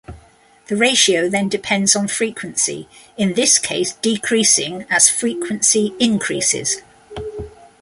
The ratio then depends on frequency, in this case decreasing as frequency increases.